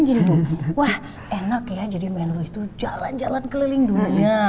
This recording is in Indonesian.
jangan gini bu wah enak ya jadi menlo itu jalan jalan keliling dunia